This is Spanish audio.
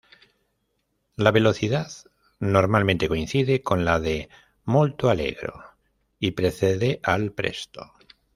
La velocidad normalmente coincide con la de "molto allegro" y precede al "presto".